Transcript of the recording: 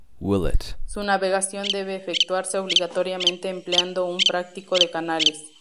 Su navegación debe efectuarse obligatoriamente empleando un práctico de canales.